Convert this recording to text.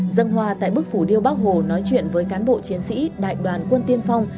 dân hoa tại bức phủ điêu bác hồ nói chuyện với cán bộ chiến sĩ đại đoàn quân tiên phong